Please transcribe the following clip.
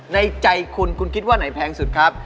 ในใจคุณคุณคิดว่าไหนแพงสุดครับ